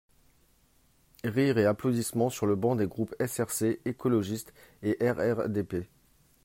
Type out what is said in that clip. (Rires et applaudissements sur les bancs des groupes SRC, écologiste et RRDP.